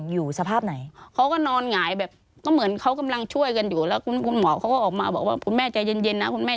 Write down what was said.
ว่าไปเลยปุ๊บแล้วคุณหมอเขาก็เรียกมา